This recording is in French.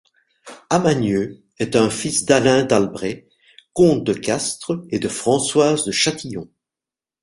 Amanieu est un fils d'Alain d'Albret, comte de Castres, et de Françoise de Châtillon.